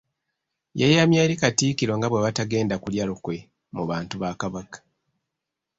Yeeyamye eri Katikkiro nga bwe batagenda kulya lukwe mu bantu ba Kabaka .